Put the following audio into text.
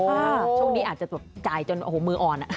ช่วงนี้อาจจะจ่ายจนโอ้โหมืออ่อน